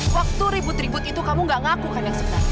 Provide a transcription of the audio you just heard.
waktu ribut ribut itu kamu gak ngaku kan yang sebenarnya